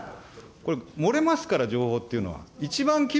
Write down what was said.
これ、漏れますから、情報っていうのは。